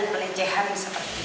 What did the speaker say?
pelecehan seperti ini